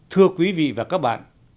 thưa quý vị và các bạn